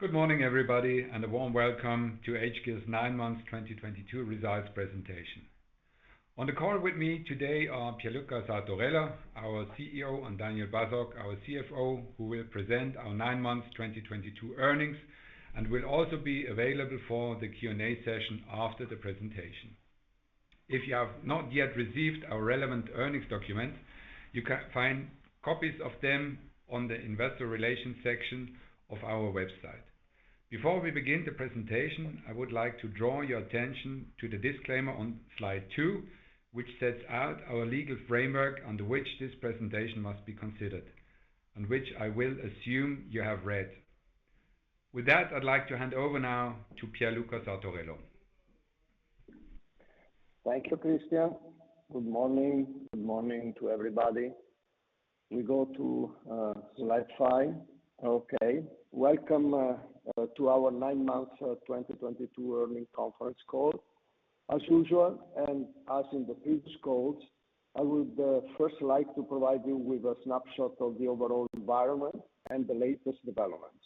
Good morning, everybody, and a warm welcome to hGears nine months 2022 results presentation. On the call with me today are Pierluca Sartorello, our CEO, and Daniel Basok, our CFO, who will present our nine months 2022 earnings and will also be available for the Q&A session after the presentation. If you have not yet received our relevant earnings documents, you can find copies of them on the investor relations section of our website. Before we begin the presentation, I would like to draw your attention to the disclaimer on slide two, which sets out our legal framework under which this presentation must be considered, and which I will assume you have read. With that, I'd like to hand over now to Pierluca Sartorello. Thank you, Christian. Good morning. Good morning to everybody. We go to slide five. Okay. Welcome to our nine months 2022 earnings conference call. As usual, and as in the previous calls, I would first like to provide you with a snapshot of the overall environment and the latest developments.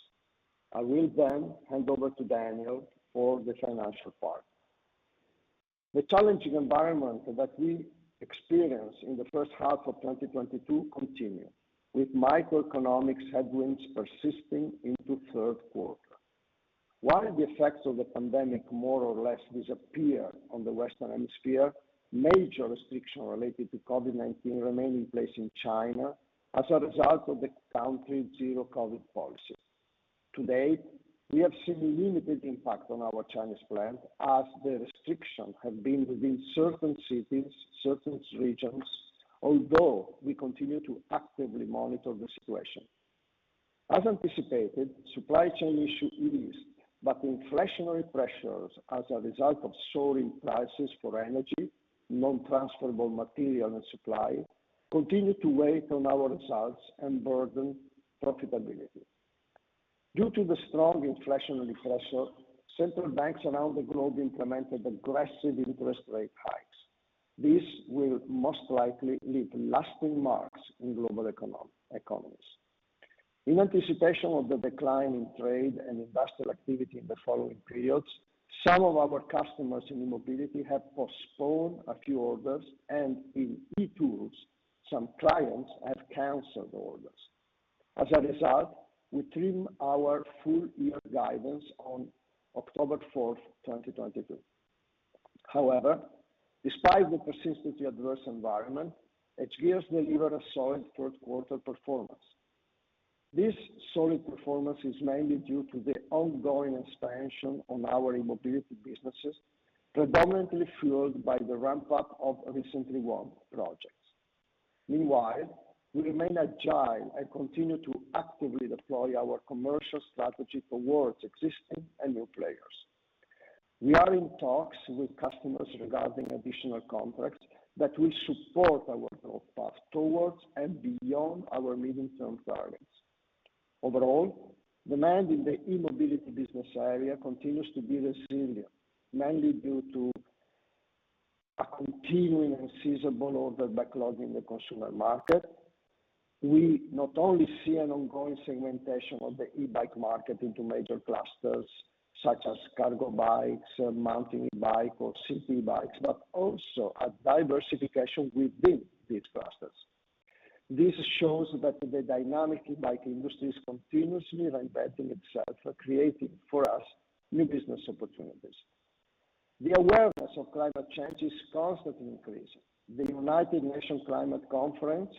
I will then hand over to Daniel for the financial part. The challenging environment that we experienced in the first half of 2022 continued, with macroeconomic headwinds persisting into third quarter. While the effects of the pandemic more or less disappeared on the Western Hemisphere, major restrictions related to COVID-19 remain in place in China as a result of the country's zero-COVID policy. To date, we have seen limited impact on our Chinese plant as the restrictions have been within certain cities, certain regions, although we continue to actively monitor the situation. As anticipated, supply chain issue eased, but inflationary pressures as a result of soaring prices for energy, non-transferable material, and supply continued to weigh on our results and burden profitability. Due to the strong inflationary pressure, central banks around the globe implemented aggressive interest rate hikes. This will most likely leave lasting marks in global economies. In anticipation of the decline in trade and industrial activity in the following periods, some of our customers in mobility have postponed a few orders, and in e-tools, some clients have canceled orders. As a result, we trim our full-year guidance on October 4, 2022. However, despite the persistent adverse environment, hGears delivered a solid third quarter performance. This solid performance is mainly due to the ongoing expansion on our e-mobility businesses, predominantly fueled by the ramp-up of recently won projects. Meanwhile, we remain agile and continue to actively deploy our commercial strategy towards existing and new players. We are in talks with customers regarding additional contracts that will support our growth path towards and beyond our medium-term targets. Overall, demand in the e-mobility business area continues to be resilient, mainly due to a continuing and sizable order backlog in the consumer market. We not only see an ongoing segmentation of the e-bike market into major clusters such as cargo bikes, mountain bike or city bikes, but also a diversification within these clusters. This shows that the dynamic e-bike industry is continuously reinventing itself, creating for us new business opportunities. The awareness of climate change is constantly increasing. The United Nations Climate Conference,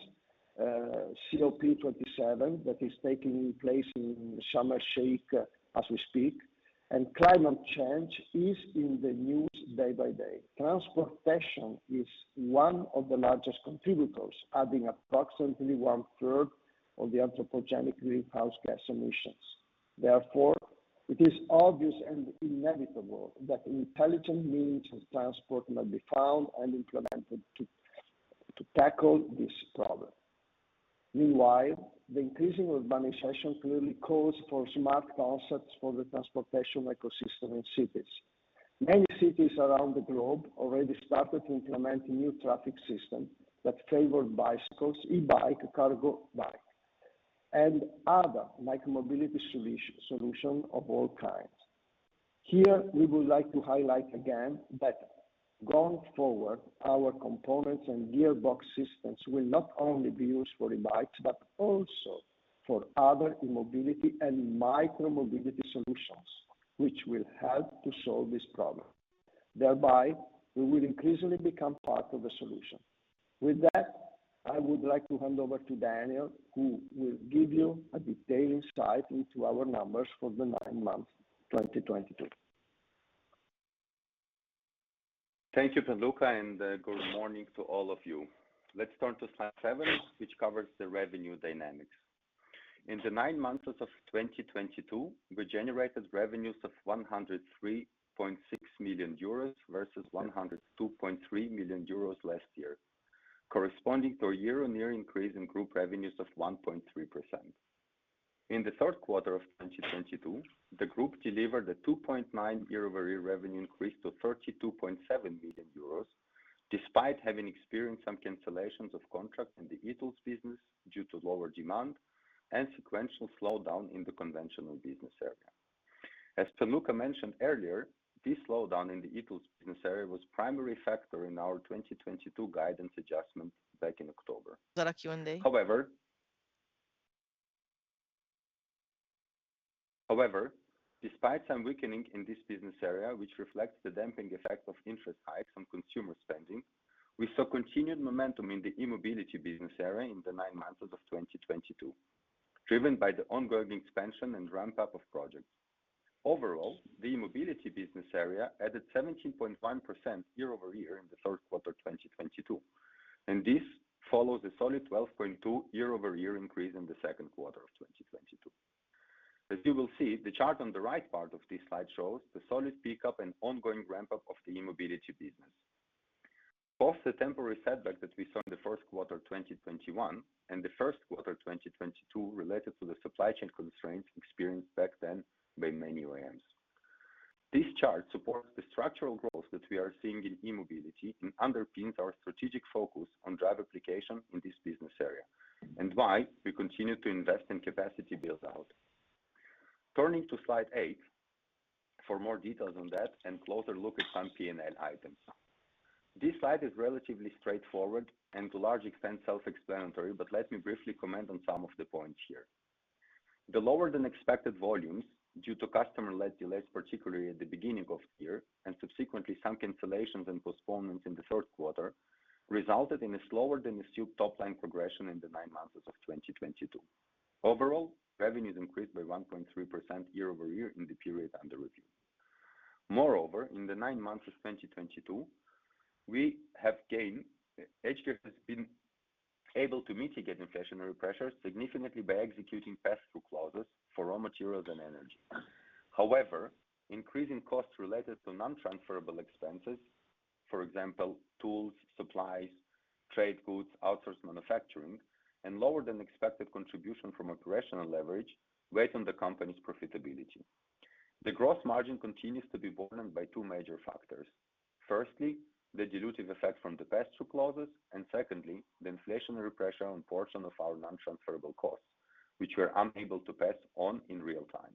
COP 27, that is taking place in Sharm El-Sheikh as we speak, and climate change is in the news day by day. Transportation is one of the largest contributors, adding approximately 1/3 of the anthropogenic greenhouse gas emissions. Therefore, it is obvious and inevitable that intelligent means of transport must be found and implemented to tackle this problem. Meanwhile, the increasing urbanization clearly calls for smart concepts for the transportation ecosystem in cities. Many cities around the globe already started to implement new traffic system that favor bicycles, e-bike, cargo bike, and other micro-mobility solutions of all kinds. Here, we would like to highlight again that going forward, our components and gearbox systems will not only be used for e-bikes, but also for other e-mobility and micro-mobility solutions, which will help to solve this problem. Thereby, we will increasingly become part of the solution. With that, I would like to hand over to Daniel, who will give you a detailed insight into our numbers for the nine months 2022. Thank you, Pierluca, and good morning to all of you. Let's turn to slide seven, which covers the revenue dynamics. In the nine months of 2022, we generated revenues of 103.6 million euros versus 102.3 million euros last year, corresponding to a year-on-year increase in group revenues of 1.3%. In the third quarter of 2022, the group delivered a 2.9 year-over-year revenue increase to 32.7 million euros. Despite having experienced some cancellations of contracts in the e-tools business due to lower demand and sequential slowdown in the conventional business area. As Pierluca mentioned earlier, this slowdown in the e-tools business area was primary factor in our 2022 guidance adjustment back in October. Q&A. However, despite some weakening in this business area, which reflects the damping effect of interest hikes on consumer spending, we saw continued momentum in the e-mobility business area in the nine months of 2022, driven by the ongoing expansion and ramp-up of projects. Overall, the e-mobility business area added 17.5% year-over-year in the third quarter, 2022, and this follows a solid 12.2 year-over-year increase in the second quarter of 2022. As you will see, the chart on the right part of this slide shows the solid pickup and ongoing ramp-up of the e-mobility business. Both the temporary setback that we saw in the first quarter, 2021 and the first quarter, 2022 related to the supply chain constraints experienced back then by many OEMs. This chart supports the structural growth that we are seeing in e-mobility and underpins our strategic focus on drive application in this business area and why we continue to invest in capacity build-out. Turning to slide eight for more details on that and closer look at some P&L items. This slide is relatively straightforward and to a large extent self-explanatory, but let me briefly comment on some of the points here. The lower than expected volumes due to customer-led delays, particularly at the beginning of the year and subsequently some cancellations and postponements in the third quarter, resulted in a slower than assumed top line progression in the nine months of 2022. Overall, revenues increased by 1.3% year-over-year in the period under review. Moreover, in the nine months of 2022, we have gained... hGears has been able to mitigate inflationary pressures significantly by executing pass-through clauses for raw materials and energy. However, increasing costs related to non-transferable expenses, for example, tools, supplies, trade goods, outsourced manufacturing and lower than expected contribution from operational leverage weigh on the company's profitability. The gross margin continues to be burdened by two major factors. Firstly, the dilutive effect from the pass-through clauses, and secondly, the inflationary pressure on portion of our non-transferable costs, which we are unable to pass on in real time.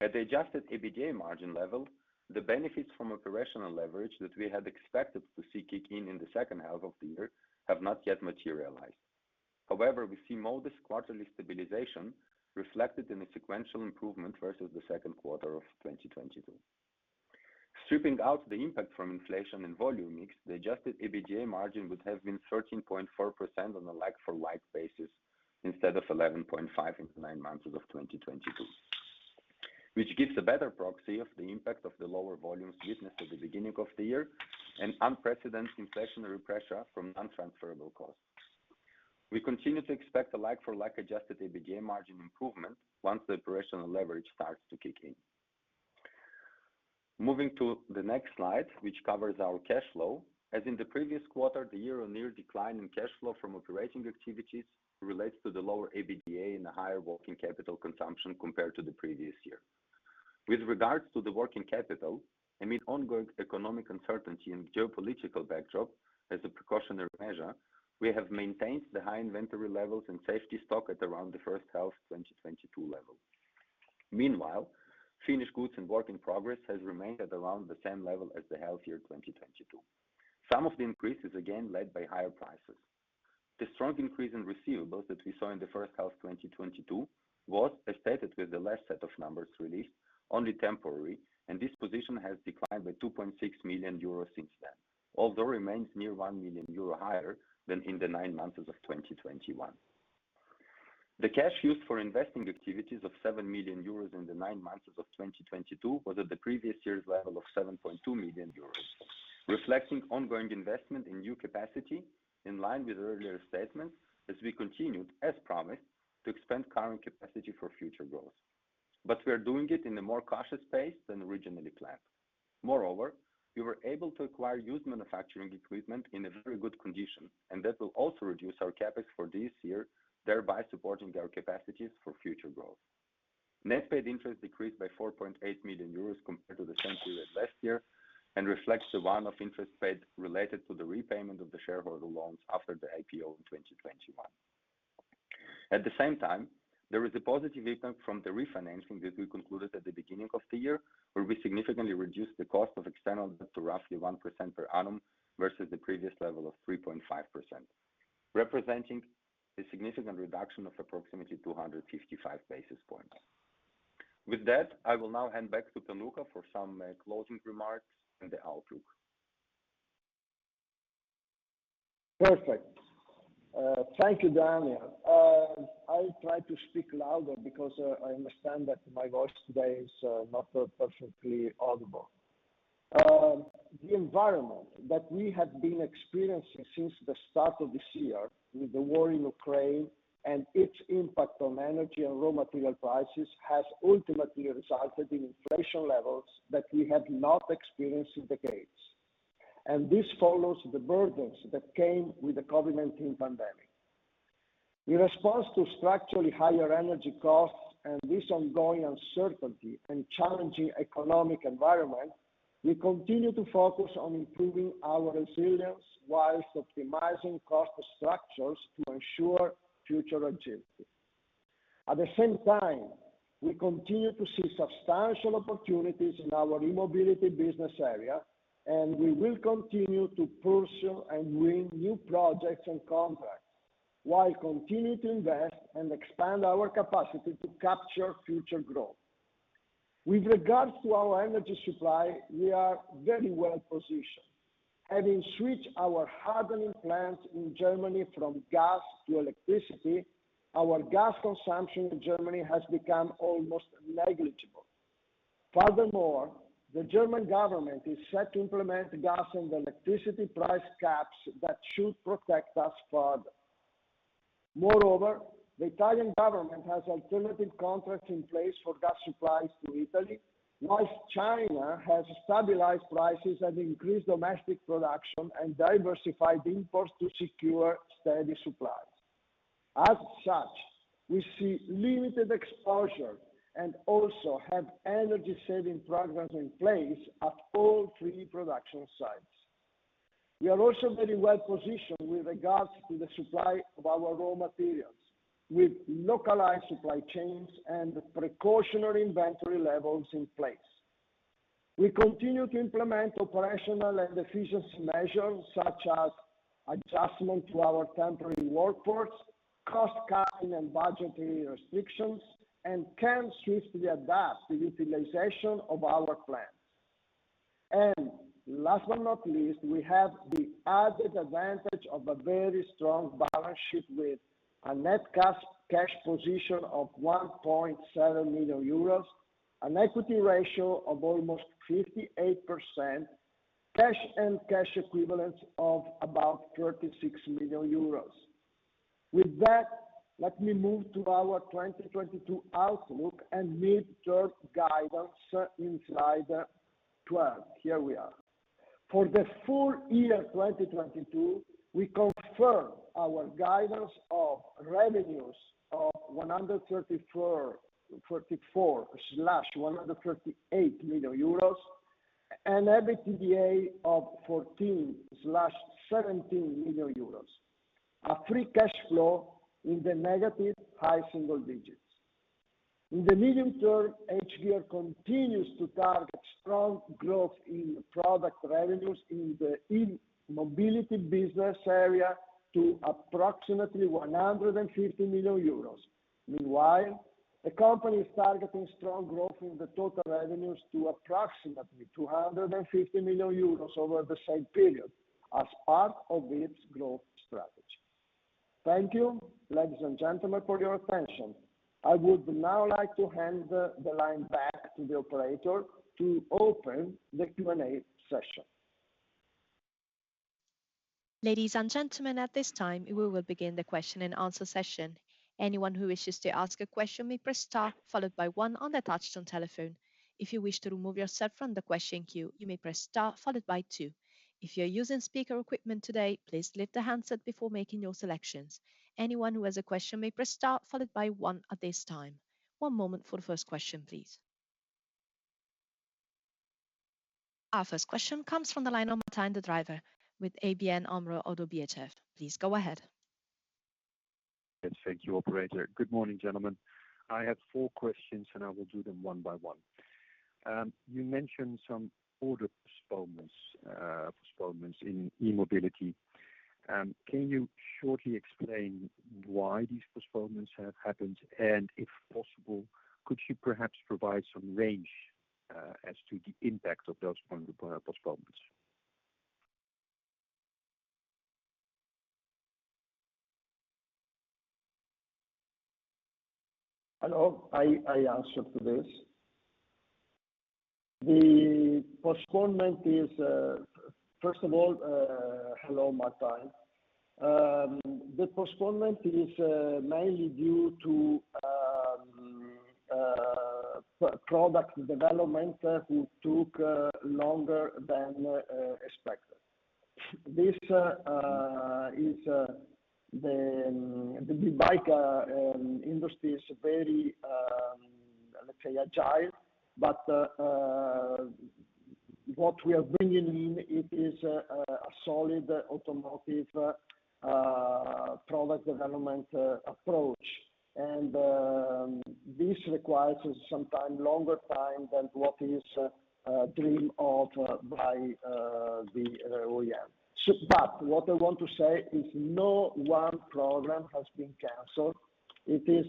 At the adjusted EBITDA margin level, the benefits from operational leverage that we had expected to see kick in in the second half of the year have not yet materialized. However, we see modest quarterly stabilization reflected in a sequential improvement versus the second quarter of 2022. Stripping out the impact from inflation and volume mix, the adjusted EBITDA margin would have been 13.4% on a like-for-like basis instead of 11.5% in the nine months of 2022, which gives a better proxy of the impact of the lower volumes witnessed at the beginning of the year and unprecedented inflationary pressure from non-transferable costs. We continue to expect a like-for-like adjusted EBITDA margin improvement once the operational leverage starts to kick in. Moving to the next slide, which covers our cash flow. As in the previous quarter, the year-on-year decline in cash flow from operating activities relates to the lower EBITDA and the higher working capital consumption compared to the previous year. With regards to the working capital, amid ongoing economic uncertainty and geopolitical backdrop as a precautionary measure, we have maintained the high inventory levels and safety stock at around the first half 2022 level. Meanwhile, finished goods and work in progress has remained at around the same level as the H1 2022. Some of the increase is again led by higher prices. The strong increase in receivables that we saw in the first half 2022 was as stated with the last set of numbers released only temporary, and this position has declined by 2.6 million euros since then, although remains near 1 million euro higher than in the nine months of 2021. The cash used for investing activities of 7 million euros in the nine months of 2022 was at the previous year's level of 7.2 million euros, reflecting ongoing investment in new capacity in line with earlier statements as we continued, as promised, to expand current capacity for future growth. We are doing it in a more cautious pace than originally planned. Moreover, we were able to acquire used manufacturing equipment in a very good condition, and that will also reduce our CapEx for this year, thereby supporting our capacities for future growth. Net paid interest decreased by 4.8 million euros compared to the same period last year and reflects the one-off interest paid related to the repayment of the shareholder loans after the IPO in 2021. At the same time, there is a positive impact from the refinancing that we concluded at the beginning of the year, where we significantly reduced the cost of external debt to roughly 1% per annum versus the previous level of 3.5%, representing a significant reduction of approximately 255 basis points. With that, I will now hand back to Pierluca Sartorello for some closing remarks and the outlook. Perfect. Thank you, Daniel. I'll try to speak louder because I understand that my voice today is not perfectly audible. The environment that we have been experiencing since the start of this year with the war in Ukraine and its impact on energy and raw material prices has ultimately resulted in inflation levels that we have not experienced in decades. This follows the burdens that came with the COVID-19 pandemic. In response to structurally higher energy costs and this ongoing uncertainty and challenging economic environment, we continue to focus on improving our resilience while optimizing cost structures to ensure future agility. At the same time, we continue to see substantial opportunities in our e-mobility business area, and we will continue to pursue and win new projects and contracts while continuing to invest and expand our capacity to capture future growth. With regards to our energy supply, we are very well positioned. Having switched our hardening plants in Germany from gas to electricity, our gas consumption in Germany has become almost negligible. Furthermore, the German government is set to implement gas and electricity price caps that should protect us further. Moreover, the Italian government has alternative contracts in place for gas supplies to Italy, whilst China has stabilized prices and increased domestic production and diversified imports to secure steady supplies. As such, we see limited exposure and also have energy saving programs in place at all three production sites. We are also very well positioned with regards to the supply of our raw materials, with localized supply chains and precautionary inventory levels in place. We continue to implement operational and efficiency measures such as adjustment to our temporary workforce, cost cutting and budgetary restrictions, and can swiftly adapt the utilization of our plants. Last but not least, we have the added advantage of a very strong balance sheet with a net cash position of 1.7 million euros, an equity ratio of almost 58%, cash and cash equivalents of about 36 million euros. With that, let me move to our 2022 outlook and mid-term guidance in slide 12. Here we are. For the full year 2022, we confirm our guidance of revenues of 134-138 million euros and EBITDA of 14-17 million euros. A free cash flow in the negative high single digits. In the medium term, hGears continues to target strong growth in product revenues in the e-mobility business area to approximately 150 million euros. Meanwhile, the company is targeting strong growth in the total revenues to approximately 250 million euros over the same period as part of its growth strategy. Thank you, ladies and gentlemen, for your attention. I would now like to hand the line back to the operator to open the Q&A session. Ladies and gentlemen, at this time, we will begin the question and answer session. Anyone who wishes to ask a question may press star followed by one on the touch tone telephone. If you wish to remove yourself from the question queue, you may press star followed by two. If you're using speaker equipment today, please lift the handset before making your selections. Anyone who has a question may press star followed by one at this time. One moment for the first question, please. Our first question comes from the line of Martijn den Drijver with ABN Amro - Oddo BHF. Please go ahead. Yes, thank you, operator. Good morning, gentlemen. I have four questions, and I will do them one by one. You mentioned some order postponements in e-mobility. Can you shortly explain why these postponements have happened? If possible, could you perhaps provide some range as to the impact of those postponements? Hello. I answer to this. The postponement is first of all hello, Martijn. The postponement is mainly due to product development that took longer than expected. This is the bike industry is very let's say agile, but what we are bringing in it is a solid automotive product development approach. This requires some time, longer time than what is dreamed of by the OEM. What I want to say is no one program has been canceled. It is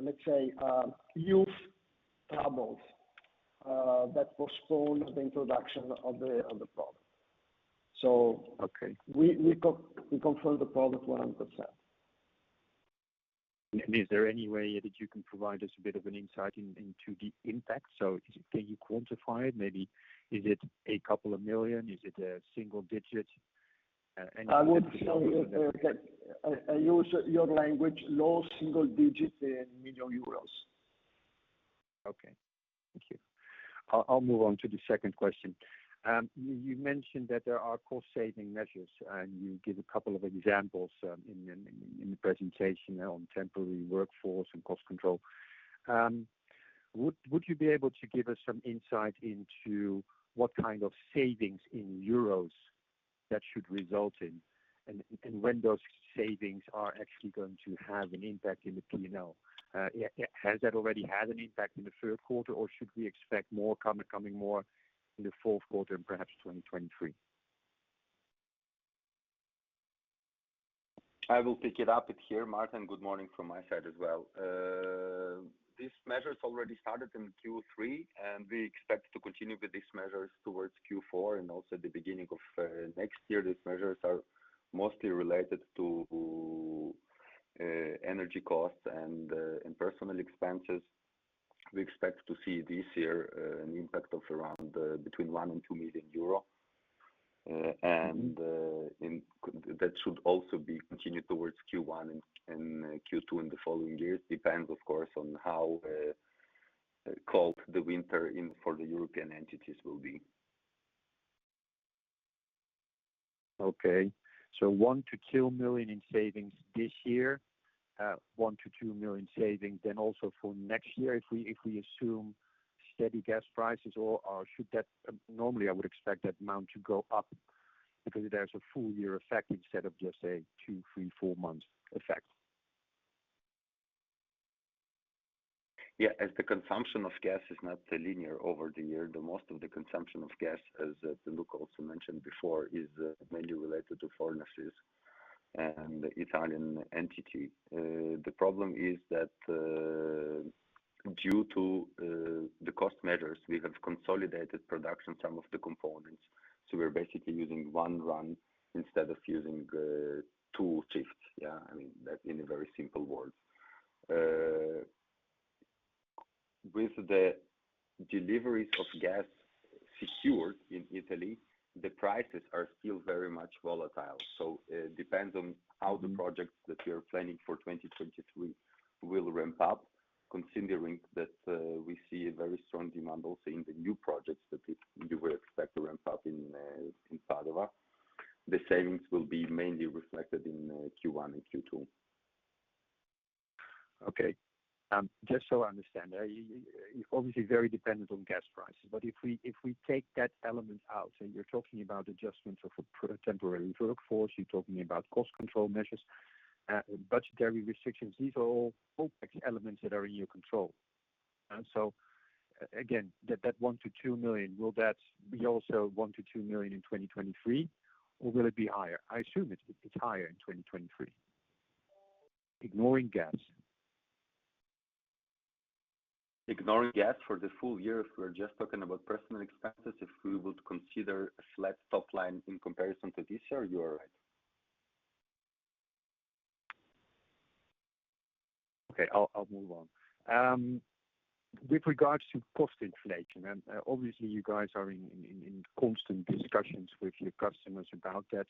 let's say teething troubles that postpones the introduction of the product. Okay. We confirm the product 100%. Is there any way that you can provide us a bit of an insight into the impact? Can you quantify it? Maybe is it a couple of million? Is it a single digit? Anything. I would say that, I use your language, low single digits in million euros. Okay, thank you. I'll move on to the second question. You mentioned that there are cost-saving measures, and you give a couple of examples in the presentation on temporary workforce and cost control. Would you be able to give us some insight into what kind of savings in euros that should result in and when those savings are actually going to have an impact in the P&L? Yeah, has that already had an impact in the third quarter, or should we expect more coming in the fourth quarter and perhaps 2023? I will pick it up here, Martijn. Good morning from my side as well. These measures already started in Q3, and we expect to continue with these measures towards Q4 and also the beginning of next year. These measures are mostly related to energy costs and in personal expenses. We expect to see this year an impact of around between 1 million and 2 million euro. That should also be continued towards Q1 and Q2 in the following years. Depends, of course, on how cold the winter for the European entities will be. Okay. 1-2 million in savings this year. 1-2 million savings then also for next year if we assume steady gas prices. Normally, I would expect that amount to go up because there's a full year effect instead of just a two, three, four months effect. Yeah. As the consumption of gas is not linear over the year, the most of the consumption of gas, as Luke also mentioned before, is mainly related to furnaces and Italian entity. The problem is that, due to the cost measures, we have consolidated production, some of the components. We're basically using one run instead of using two shifts. Yeah, I mean that in a very simple word. With the deliveries of gas secured in Italy, the prices are still very much volatile. It depends on how the projects that we are planning for 2023 will ramp up, considering that we see a very strong demand also in the new projects that we will expect to ramp up in Padova. The savings will be mainly reflected in Q1 and Q2. Okay. Just so I understand. You obviously very dependent on gas prices, but if we take that element out, you're talking about adjustments of a temporary workforce, you're talking about cost control measures, budgetary restrictions. These are all elements that are in your control. Again, that 1-2 million, will that be also 1-2 million in 2023, or will it be higher? I assume it's higher in 2023. Ignoring gas. Ignoring gas for the full year if we're just talking about personal expenses. If we would consider a flat top line in comparison to this year, you are right. Okay. I'll move on. With regards to cost inflation, and obviously you guys are in constant discussions with your customers about that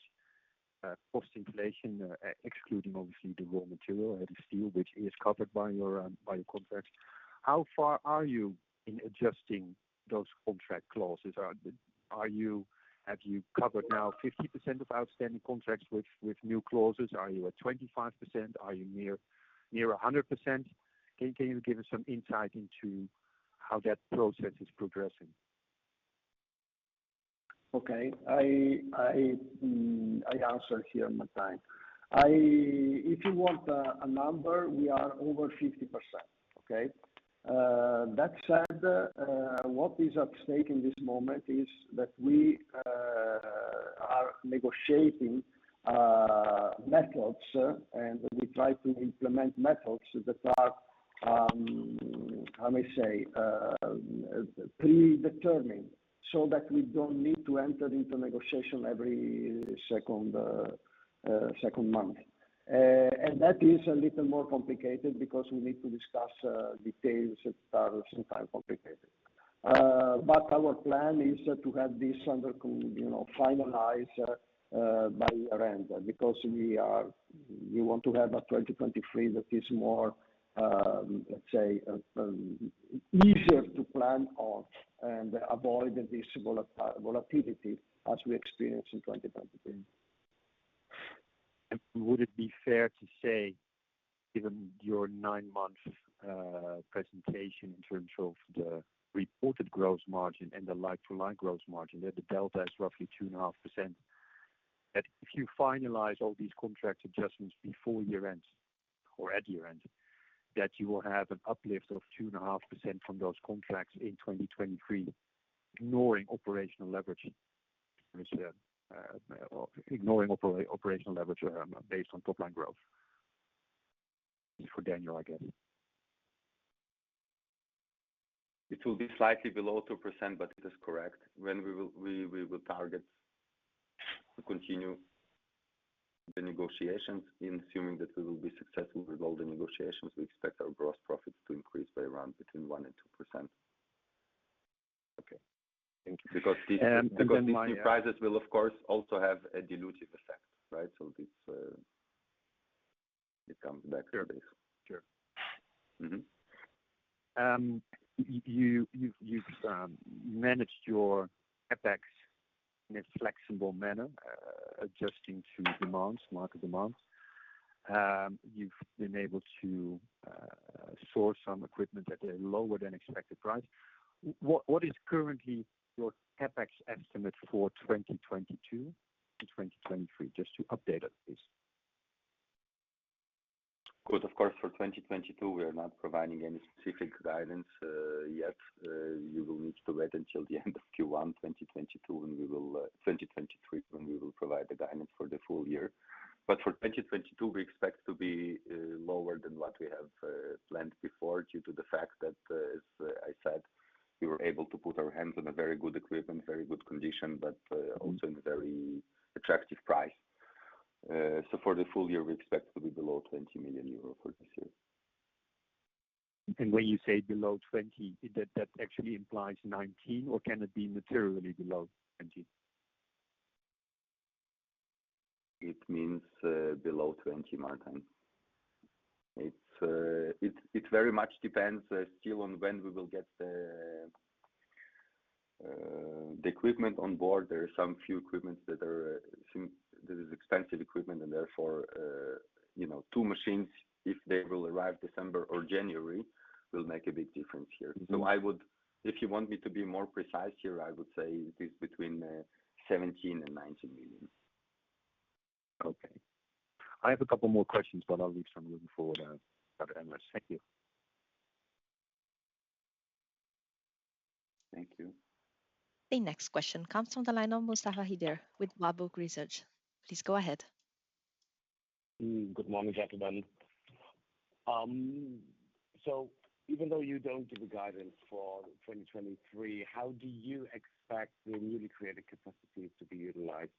cost inflation, excluding obviously the raw material, heavy steel, which is covered by your contracts. How far are you in adjusting those contract clauses? Have you covered now 50% of outstanding contracts with new clauses? Are you at 25%? Are you near 100%? Can you give us some insight into how that process is progressing? Okay. I answer here, Martijn. If you want a number, we are over 50%. Okay? That said, what is at stake in this moment is that we are negotiating methods, and we try to implement methods that are, how may I say, predetermining, so that we don't need to enter into negotiation every second month. That is a little more complicated because we need to discuss details that are sometimes complicated. Our plan is to have this, you know, finalized, by year-end because we want to have a 2023 that is more, let's say, easier to plan on and avoid this volatility as we experienced in 2022. Would it be fair to say, given your nine-month presentation in terms of the reported gross margin and the like for like gross margin, that the delta is roughly 2.5%, that if you finalize all these contract adjustments before year-end or at year-end, that you will have an uplift of 2.5% from those contracts in 2023, ignoring operational leverage, based on top line growth? For Daniel, I guess. It will be slightly below 2%, but it is correct. When we will target to continue the negotiations, in assuming that we will be successful with all the negotiations, we expect our gross profits to increase by around between 1% and 2%. Okay. Thank you. Because these new prices will of course also have a dilutive effect, right? This, it comes back to this. Sure. You've managed your CapEx in a flexible manner, adjusting to demands, market demands. You've been able to source some equipment at a lower than expected price. What is currently your CapEx estimate for 2022 to 2023? Just to update us, please. Of course, for 2022 we are not providing any specific guidance yet. You will need to wait until the end of Q1 2023 when we will provide the guidance for the full year. For 2022 we expect to be lower than what we have planned before due to the fact that, as I said, we were able to get our hands on a very good equipment, very good condition, but also in very attractive price. For the full year, we expect to be below 20 million euro for this year. When you say below 20, that actually implies 19 or can it be materially below 20? It means below 20, Martijn. It very much depends still on when we will get the equipment on board. There are some few equipments that are some that is expensive equipment and therefore you know, two machines, if they will arrive December or January, will make a big difference here. If you want me to be more precise here, I would say it is between 17 million and 19 million. Okay. I have a couple more questions, but I'll leave some room for others. Thank you. Thank you. The next question comes from the line of Mustafa Hidir with Warburg Research. Please go ahead. Good morning, gentlemen. Even though you don't give a guidance for 2023, how do you expect the newly created capacities to be utilized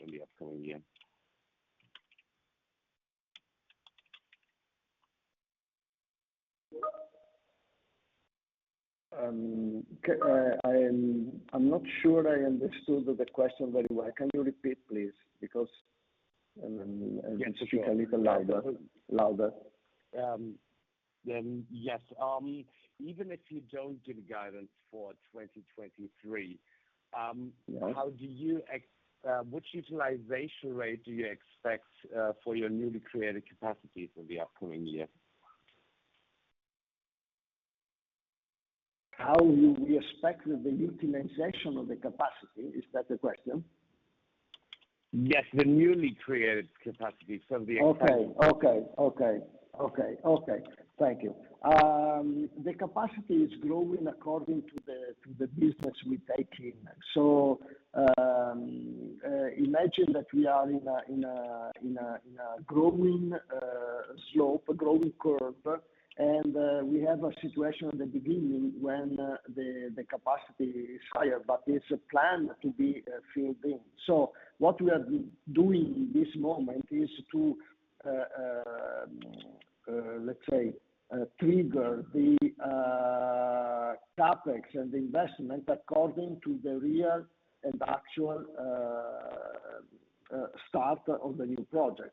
in the upcoming year? I'm not sure I understood the question very well. Can you repeat, please? If you can a little louder. Yes. Even if you don't give guidance for 2023, Yeah. Which utilization rate do you expect for your newly created capacities in the upcoming year? How we expect the utilization of the capacity? Is that the question? Yes. The newly created capacity for the upcoming year. Thank you. The capacity is growing according to the business we take in. Imagine that we are in a growing slope, a growing curve, and we have a situation at the beginning when the capacity is higher, but it's planned to be filled in. What we are doing in this moment is to, let's say, trigger the CapEx and the investment according to the real and actual start of the new projects. We expect that the capacity will be fulfilled on the longer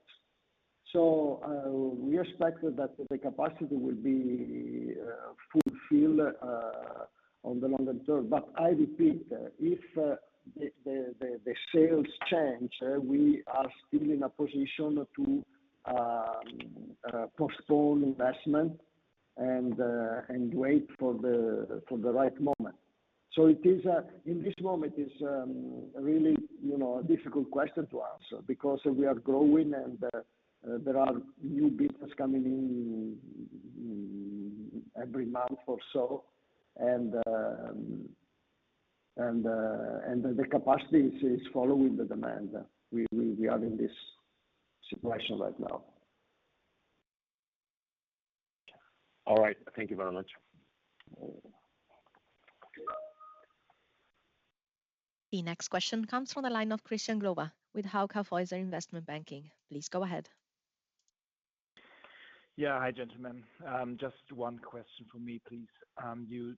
term. I repeat, if the sales change, we are still in a position to postpone investment and wait for the right moment. It is in this moment. It's really, you know, a difficult question to answer because we are growing and there are new business coming in every month or so. The capacity is following the demand. We are in this situation right now. All right. Thank you very much. The next question comes from the line of Christian Glowa with Hauck & Aufhäuser Investment Banking. Please go ahead. Yeah. Hi, gentlemen. Just one question from me, please. You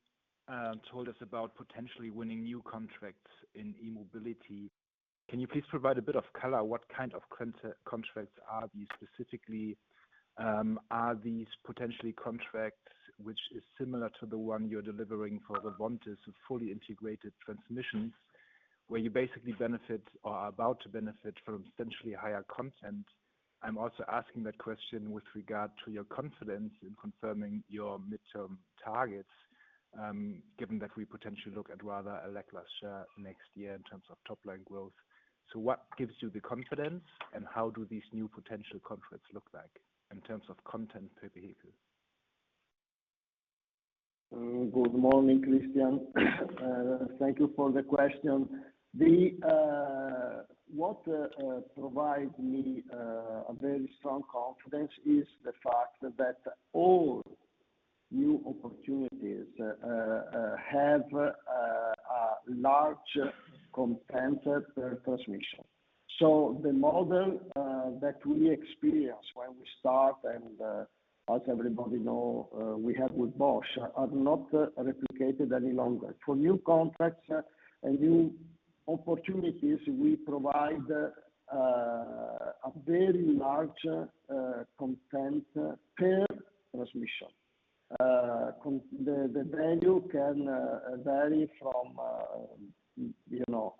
told us about potentially winning new contracts in e-mobility. Can you please provide a bit of color what kind of contracts are these specifically? Are these potentially contracts which is similar to the one you're delivering for the Revonte, fully integrated transmissions, where you basically benefit or are about to benefit from essentially higher content? I'm also asking that question with regard to your confidence in confirming your midterm targets, given that we potentially look at rather a lackluster next year in terms of top line growth. What gives you the confidence, and how do these new potential contracts look like in terms of content per vehicle? Good morning, Christian. Thank you for the question. What provides me a very strong confidence is the fact that all new opportunities have a large content per transmission. The model that we experience when we start, and as everybody know we have with Bosch are not replicated any longer. For new contracts and new opportunities, we provide a very large content per transmission. The value can vary from you know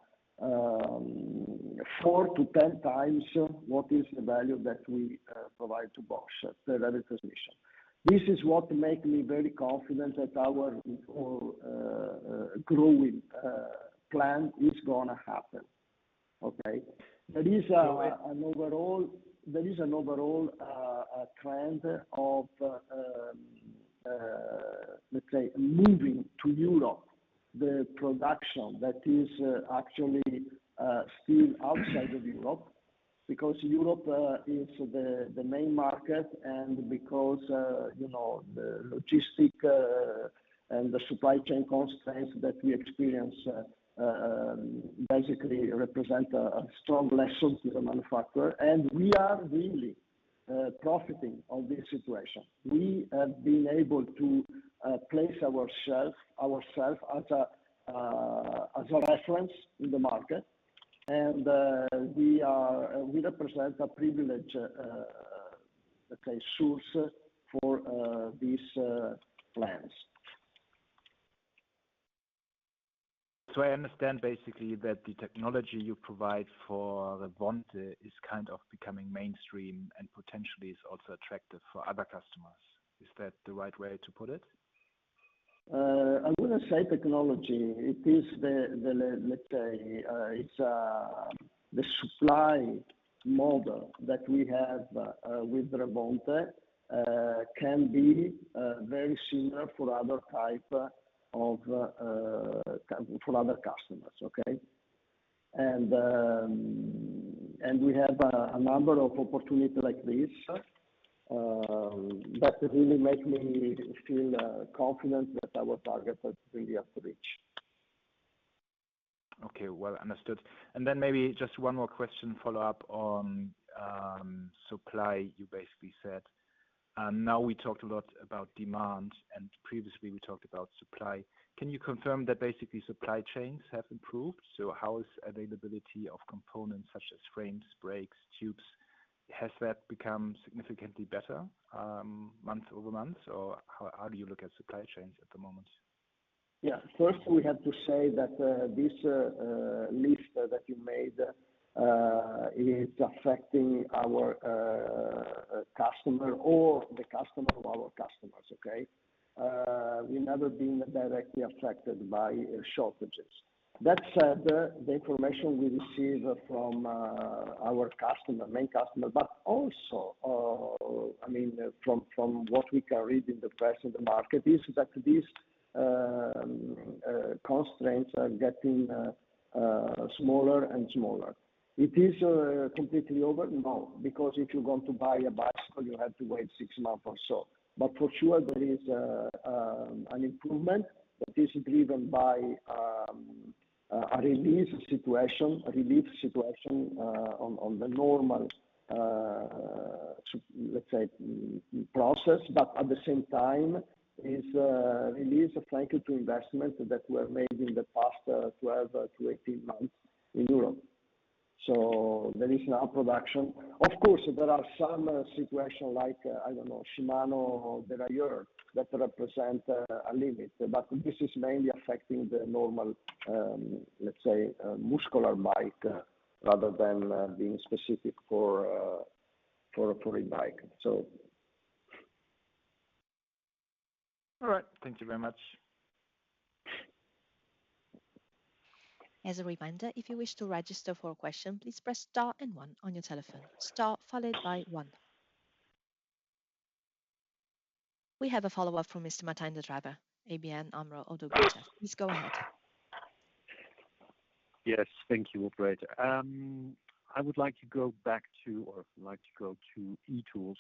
four to 10x what is the value that we provide to Bosch, the value transmission. This is what make me very confident that our growing plan is gonna happen. Okay? There is an overall trend of, let's say, moving to Europe, the production that is actually still outside of Europe, because Europe is the main market and because, you know, the logistics and the supply chain constraints that we experience basically represent a strong lesson to the manufacturer. We are really profiting on this situation. We have been able to place ourselves as a reference in the market, and we represent a privileged, let's say, source for these plants. I understand basically that the technology you provide for Revonte is kind of becoming mainstream and potentially is also attractive for other customers. Is that the right way to put it? I wouldn't say technology. It is the let's say it's the supply model that we have with Revonte can be very similar for other type of for other customers, okay? We have a number of opportunities like this that really make me feel confident that our targets are really at reach. Okay. Well understood. Then maybe just one more question follow up on, supply, you basically said. Now we talked a lot about demand, and previously we talked about supply. Can you confirm that basically supply chains have improved? How is availability of components such as frames, brakes, tubes, has that become significantly better month-over-month? Or how do you look at supply chains at the moment? Yeah. First, we have to say that this list that you made is affecting our customer or the customer of our customers, okay? We've never been directly affected by shortages. That said, the information we receive from our customer, main customer, but also, I mean, from what we can read in the press and the market is that these constraints are getting smaller and smaller. It is completely over? No, because if you're going to buy a bicycle, you have to wait six months or so. For sure, there is an improvement that is driven by a relief situation on the normal, let's say process, but at the same time is relief, frankly, due to investments that were made in the past 12-18 months in Europe. There is now production. Of course, there are some situations like, I don't know, Shimano derailleur that represent a limit, but this is mainly affecting the normal, let's say, muscle bike rather than being specific for a e-bike. All right. Thank you very much. As a reminder, if you wish to register for a question, please press star and one on your telephone. Star followed by one. We have a follow-up from Mr. Martijn den Drijver, ABN AMRO. Please go ahead. Yes, thank you, operator. I would like to go back to or like to go to e-tools.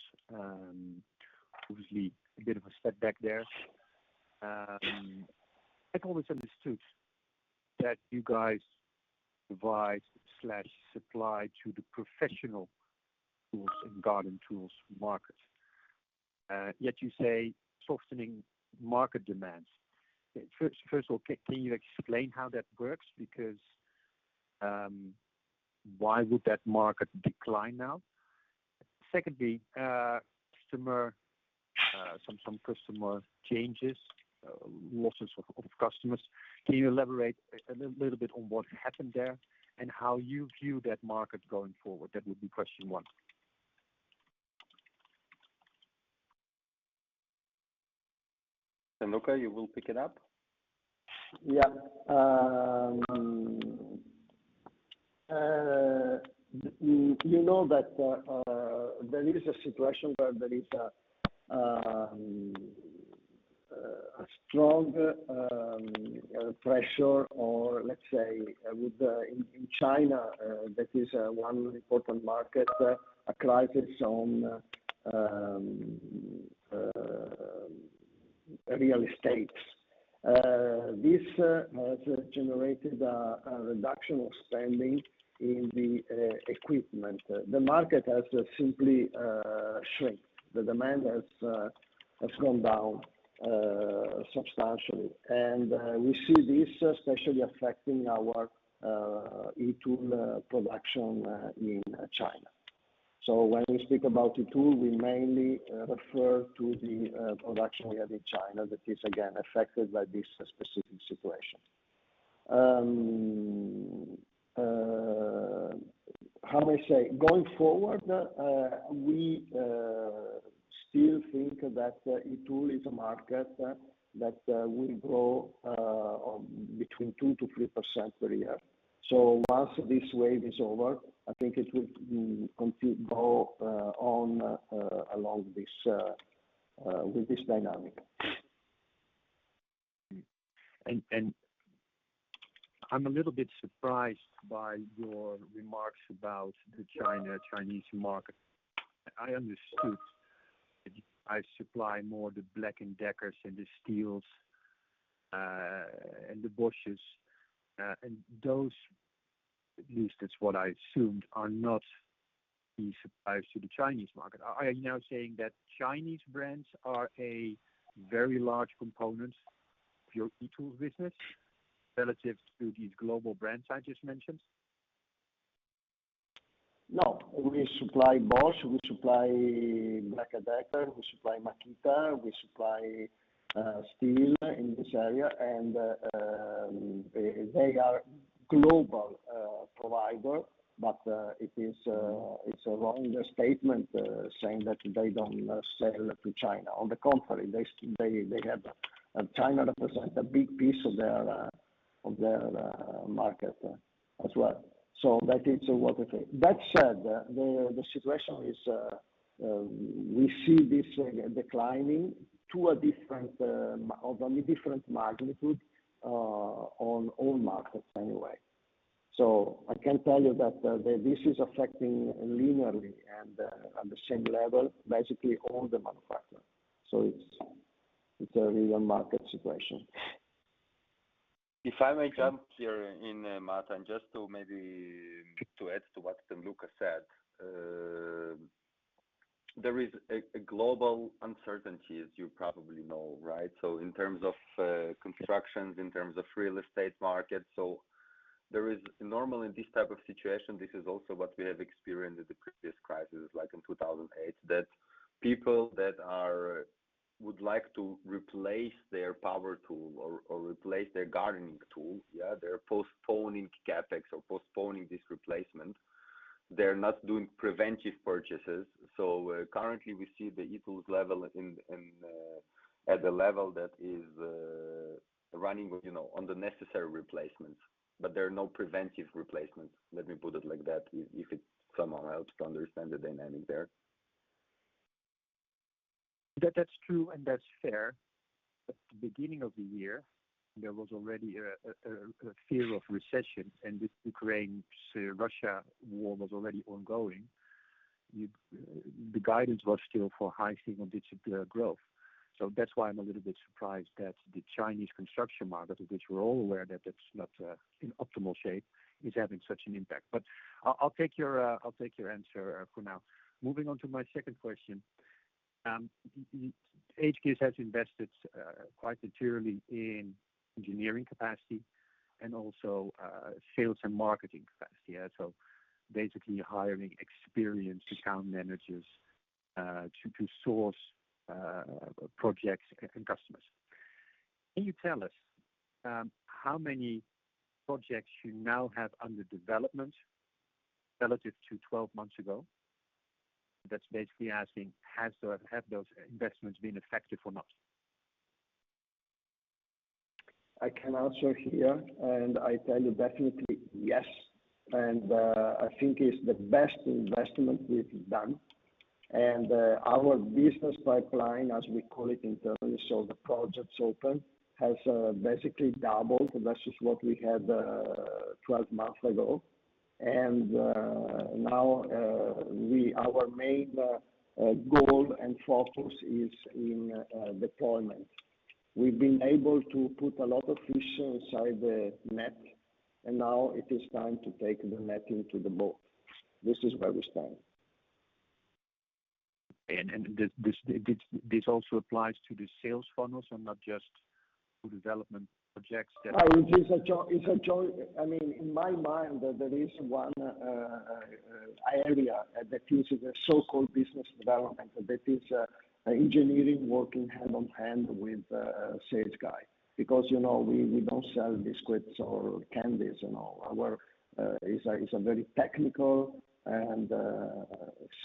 Obviously a bit of a step back there. I always understood that you guys supply to the professional tools and garden tools market, yet you say softening market demands. First of all, can you explain how that works? Because, why would that market decline now? Secondly, some customer changes, losses of customers. Can you elaborate a little bit on what happened there and how you view that market going forward? That would be question one. Luca, you will pick it up? Yeah. You know that there is a situation where there is a strong pressure or, let's say, within China, that is one important market, a crisis on. Real estate. This has generated a reduction of spending in the equipment. The market has simply shrunk. The demand has gone down substantially. We see this especially affecting our e-tool production in China. When we speak about e-tool, we mainly refer to the production we have in China that is again affected by this specific situation. How may I say? Going forward, we still think that e-tool is a market that will grow between 2%-3% per year. Once this wave is over, I think it will go on along with this dynamic. I'm a little bit surprised by your remarks about the Chinese market. I understood you guys supply more the Black & Decker and the Stihls, and the Bosch, and those, at least that's what I assumed, are not the suppliers to the Chinese market. Are you now saying that Chinese brands are a very large component of your e-tool business relative to these global brands I just mentioned? No. We supply Bosch, we supply Black & Decker, we supply Makita, we supply Stihl in this area, and they are global providers, but it's a wrong statement saying that they don't sell to China. On the contrary, they have China represents a big piece of their market as well. That is what we think. That said, the situation is we see this declining of a different magnitude on all markets anyway. I can tell you that this is affecting linearly and at the same level, basically all the manufacturers. It's a real market situation. If I may jump here in, Martijn, just to maybe add to what Pierluca said. There is a global uncertainty, as you probably know, right? In terms of constructions, in terms of real estate markets. There is normal in this type of situation. This is also what we have experienced in the previous crisis, like in 2008, that people would like to replace their power tool or replace their gardening tools. They're postponing CapEx or postponing this replacement. They're not doing preventive purchases. Currently we see the e-tools level at a level that is running, you know, on the necessary replacements. But there are no preventive replacements. Let me put it like that, if it somehow helps to understand the dynamic there. That's true, and that's fair. At the beginning of the year, there was already a fear of recession, and this Ukraine to Russia war was already ongoing. The guidance was still for high single-digit growth. That's why I'm a little bit surprised that the Chinese construction market, of which we're all aware that it's not in optimal shape, is having such an impact. I'll take your answer for now. Moving on to my second question. hGears has invested quite materially in engineering capacity and also sales and marketing capacity. Basically hiring experienced account managers to source projects and customers. Can you tell us how many projects you now have under development relative to 12 months ago? That's basically asking, have those investments been effective or not? I can answer here, and I tell you definitely yes. I think it's the best investment we've done. Our business pipeline, as we call it internally, so the projects open, has basically doubled versus what we had 12 months ago. Now our main goal and focus is in deployment. We've been able to put a lot of fish inside the net, and now it is time to take the net into the boat. This is where we stand. This also applies to the sales funnels and not just to development projects that It's a joy. I mean, in my mind, there is one area that is the so-called business development, that is, engineering working hand in hand with sales guy. Because, you know, we don't sell biscuits or candies and all. Our is a very technical and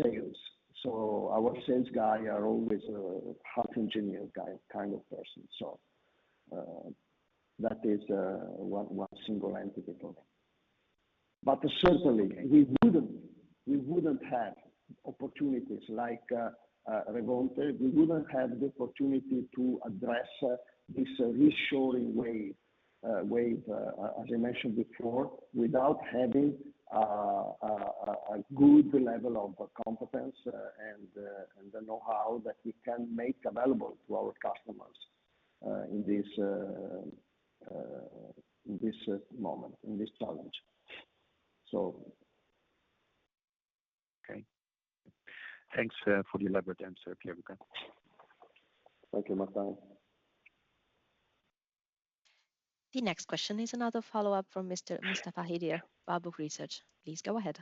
sales. Our sales guy are always a half engineer guy, kind of person. That is one single entity product. Certainly, we wouldn't have opportunities like Revonte. We wouldn't have the opportunity to address this reshoring wave as I mentioned before, without having a good level of competence and the know-how that we can make available to our customers in this moment, in this challenge. Okay. Thanks for the elaborate answer, Pierluca. Thank you, Martijn. The next question is another follow-up from Mr. Mustafa Hidir, Warburg Research. Please go ahead.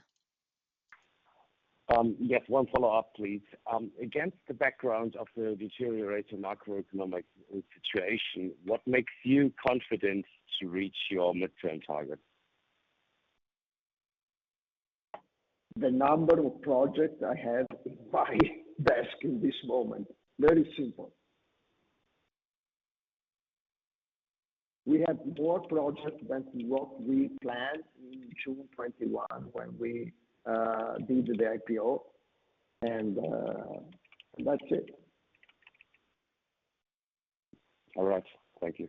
Yes, one follow-up, please. Against the background of the deteriorating macroeconomic situation, what makes you confident to reach your midterm target? The number of projects I have on my desk in this moment. Very simple. We have more projects than what we planned in June 2021 when we did the IPO, and that's it. All right. Thank you.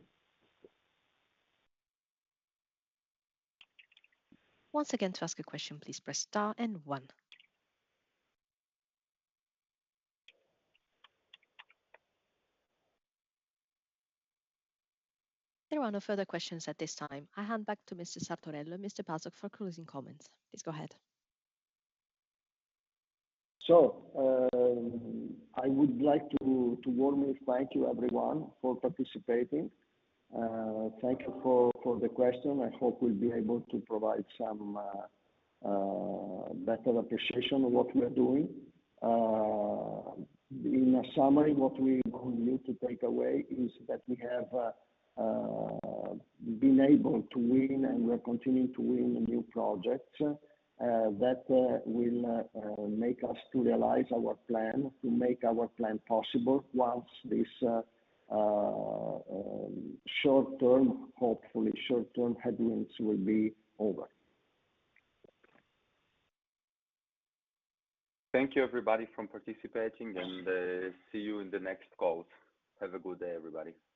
Once again, to ask a question, please press star and one. There are no further questions at this time. I hand back to Mr. Sartorello and Mr. Basok for closing comments. Please go ahead. I would like to warmly thank you, everyone, for participating. Thank you for the question. I hope we'll be able to provide some better appreciation of what we are doing. In a summary, what we want you to take away is that we have been able to win, and we're continuing to win new projects that will make us to realize our plan, to make our plan possible once this short term, hopefully short-term headwinds will be over. Thank you, everybody, for participating, and see you in the next call. Have a good day, everybody. Bye-bye.